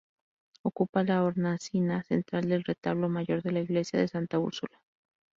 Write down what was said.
Ocupa la hornacina central del Retablo Mayor de la Iglesia de Santa Úrsula.